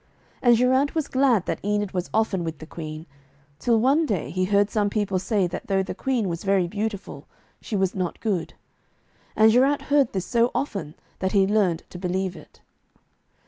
And Geraint was glad that Enid was often with the Queen, till one day he heard some people say that though the Queen was very beautiful, she was not good. And Geraint heard this so often, that he learned to believe it.